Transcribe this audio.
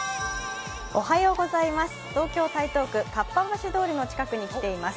東京・台東区かっぱ橋通りの近くに来ています。